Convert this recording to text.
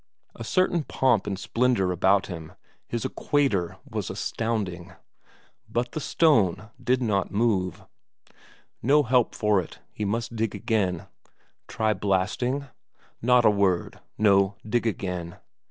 A certain pomp and splendour about him; his equator was astounding. But the stone did not move. No help for it; he must dig again. Try blasting? Not a word! No, dig again.